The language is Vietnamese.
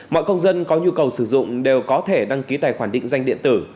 mọi công dân có nhu cầu sử dụng đều có thể đăng ký tài khoản định danh điện tử